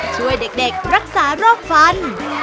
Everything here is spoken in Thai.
ช่วยเด็กรักษาโรคฟัน